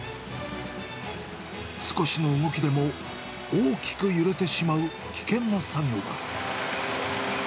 少しの動きでも大きく揺れてしまう危険な作業だ。